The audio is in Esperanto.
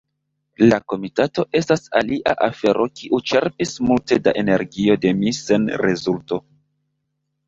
La komitato estas alia afero kiu ĉerpis multe da energio de mi sen rezulto.